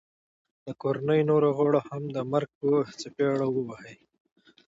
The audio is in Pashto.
د کوړنۍ نورو غړو هم د مرګ په څپېړه وه وهي